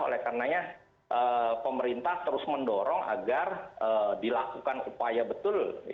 oleh karenanya pemerintah terus mendorong agar dilakukan upaya betul